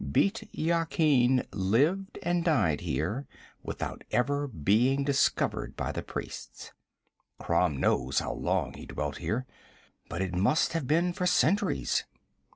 Bît Yakin lived and died here without ever being discovered by the priests. Crom knows how long he dwelt here, but it must have been for centuries.